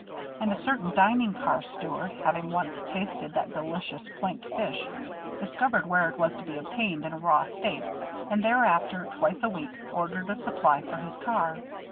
And a certain dining car steward, having once tasted that delicious planked fish, discovered where it was to be obtained in a raw state and, thereafter, twice a week, ordered a supply for his car.